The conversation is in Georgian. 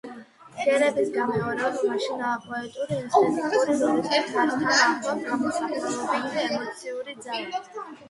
ბგერების გამეორება მაშინაა პოეტური, ესთეტიკური როდესაც მას თან ახლავს გამომსახველობითი ემოციური ძალა.